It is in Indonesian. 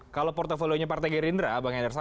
kalau portfolio nya partai gerindra mbak hendra